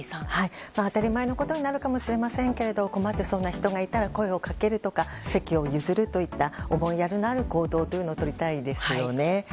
当たり前のことになるかもしれませんが困ってそうな人がいたら声をかけるとか席を譲るという思いやりのある行動をとりたいですよね。